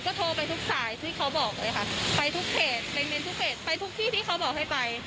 ก็โทรไปทุกสายที่เขาบอกเลยค่ะไปทุกเศษไปทุกที่ที่เขาบอกให้ไป